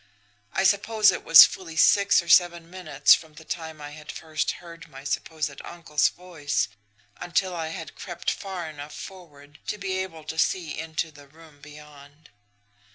I suppose it was fully six or seven minutes from the time I had first heard my supposed uncle's voice until I had crept far enough forward to be able to see into the room beyond.